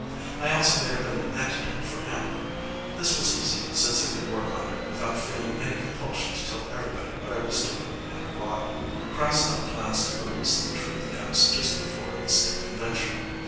I also made up an antidote for him. This was easy, since I could work on it without feeling any compulsion to tell everybody what I was doing and why. Krasnow plans to release the truth gas just before the state convention.